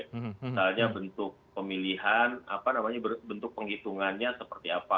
misalnya bentuk pemilihan apa namanya bentuk penghitungannya seperti apa